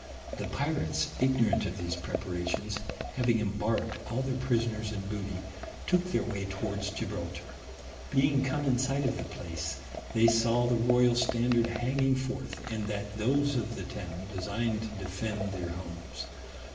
The pirates, ignorant of these preparations, having embarked all their prisoners and booty, took their way towards Gibraltar. Being come in sight of the place, they saw the royal standard hanging forth, and that those of the town designed to defend their homes.